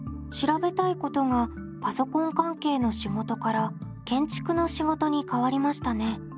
調べたいことがパソコン関係の仕事から建築の仕事に変わりましたね。